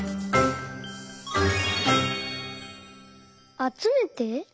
「あつめて」？